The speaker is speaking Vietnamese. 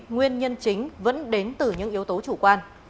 nguyên nhân chính vẫn đến từ những yếu tố chủ quan